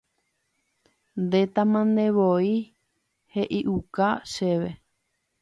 ndetamantevoi he'iuka chéve